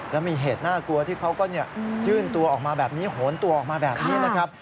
แล้วมีเหตุน่ากลัวที่เขาก็ยื่นตัวออกมาแบบนี้โหนตัวออกมาแบบนี้นะครับ